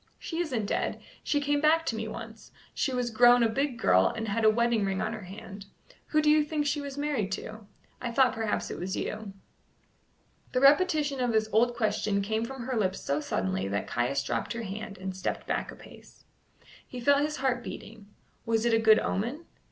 "She isn't dead. She came back to me once. She was grown a big girl, and had a wedding ring on her hand. Who do you think she was married to? I thought perhaps it was you." The repetition of this old question came from her lips so suddenly that Caius dropped her hand and stepped back a pace. He felt his heart beating. Was it a good omen?